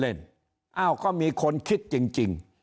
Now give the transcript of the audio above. อ้าวก็มีคนคิดจริง